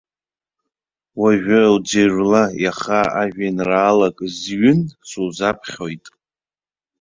Уажәы уӡырҩла, иаха ажәеинраалак зҩын, сузаԥхьоит.